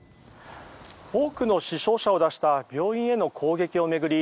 多くの死傷者を出した病院への攻撃を巡り